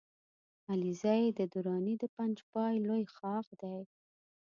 علیزی د دراني د پنجپای لوی ښاخ دی